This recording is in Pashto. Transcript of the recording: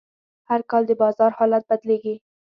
هر کال د بازار حالت بدلېږي.